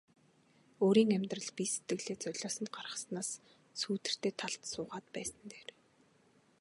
Өөрийн амьдрал бие сэтгэлээ золиосонд гаргаснаас сүүдэртэй талд суугаад байсан нь дээр.